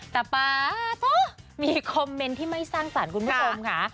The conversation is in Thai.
แต่ป๊ามีคอมเมนต์ที่ไม่สร้างสรรค์คุณผู้ชมค่ะ